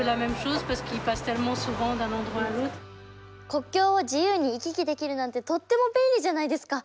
国境を自由に行き来できるなんてとっても便利じゃないですか。